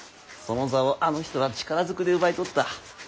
その座をあの人は力ずくで奪い取った。